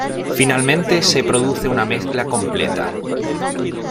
Finalmente, se produce una mezcla completa.